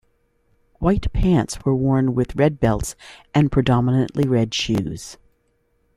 White pants were worn with red belts and predominately red shoes.